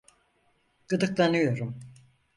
Gıdıklanıyorum.